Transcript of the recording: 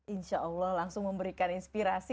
insya allah langsung memberikan inspirasi